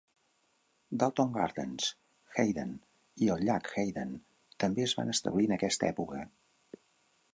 Dalton Gardens, Hayden i el llac Hayden també es van establir en aquesta època.